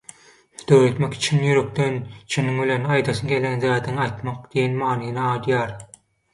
Döretmek çyn ýürekden, çynyň bilen aýdasyň gelýän zadyňy aýtmak» diýen manyny aýdýar.